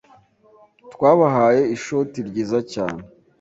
Twabahaye ishoti ryiza cyane.